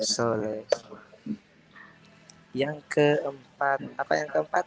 soleh yang keempat apa yang keempat